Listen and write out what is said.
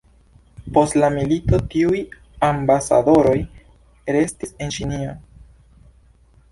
Post la milito, tiuj ambasadoroj restis en Ĉinio.